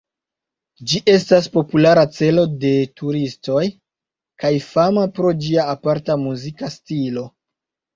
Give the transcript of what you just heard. Ĝi estas populara celo de turistoj, kaj fama pro ĝia aparta muzika stilo.